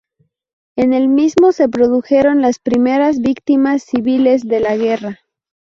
En el mismo se produjeron las primeras víctimas civiles de la guerra.